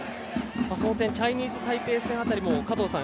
その点チャイニーズタイペイ戦辺りも加藤さん